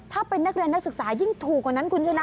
ถ้าเป็นนักเรียนนักศึกษายิ่งถูกกว่านั้นคุณชนะ